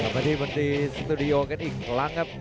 กลับมาที่บอทตี้สตูดิโอกันอีกครั้งครับ